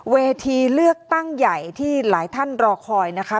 เวทีเลือกตั้งใหญ่ที่หลายท่านรอคอยนะคะ